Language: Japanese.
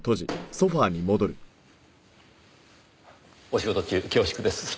お仕事中恐縮です。